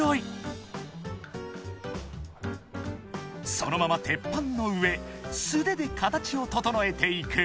［そのまま鉄板の上素手で形を整えていく］